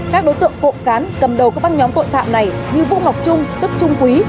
các đối tượng cộng cán cầm đầu các băng nhóm tội phạm này như vũ ngọc trung tức trung quý